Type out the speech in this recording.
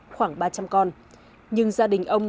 khoảng ba trăm linh con nhưng gia đình ông